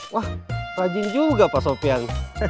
wah rajin juga pak sofian